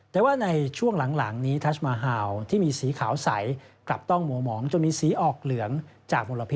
แต่ว่าในช่วงหลังนี้ทัชมาฮาลที่มีสีขาวใส